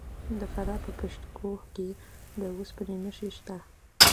د فراه په پشت کوه کې د وسپنې نښې شته.